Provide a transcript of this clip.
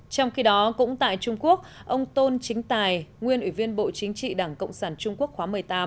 trong khi đó cũng tại trung quốc ông tôn chính tài nguyên ủy viên bộ chính trị đảng cộng sản trung quốc khóa một mươi tám